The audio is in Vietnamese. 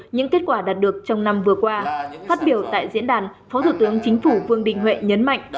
những kết quả đạt được trong năm vừa qua phát biểu tại diễn đàn phó thủ tướng chính phủ vương đình huệ nhấn mạnh